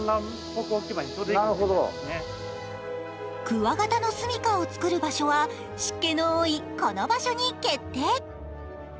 クワガタの住みかを作る場所は湿気の多いこの場所に決定。